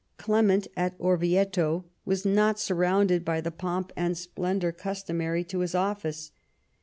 . Clement at Orvieto was not surrounded by the pomp and splendour customary to his office.